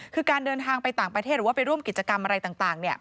คือการเดินทางไปต่างประเทศหรือว่าไปร่วมกิจกรรมอะไรต่าง